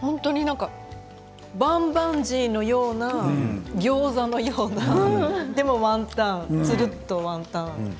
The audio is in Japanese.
本当にバンバンジーのようなギョーザのような、でもワンタンつるっとワンタン。